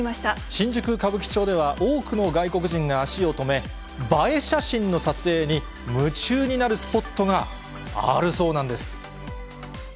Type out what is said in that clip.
新宿・歌舞伎町では、多くの外国人が足を止め、映え写真の撮影に夢中になるスポットがあるそうなんです。